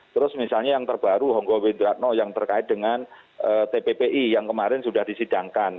terus misalnya yang terbaru hongkowitratno yang terkait dengan tpbi yang kemarin sudah disidangkan